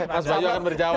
mas bayu akan berjawab